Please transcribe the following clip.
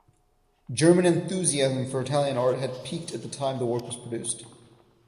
German enthusiasm for Italian art had peaked at the time the work was produced.